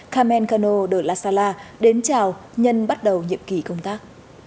carmen cano de la sala đến chào nhân bắt đầu nhiệm kỳ công tác